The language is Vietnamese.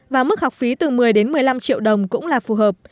và mức học phí từ một mươi đến một mươi năm triệu đồng cũng là phù hợp